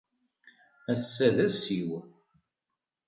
Ass-a d ass-iw.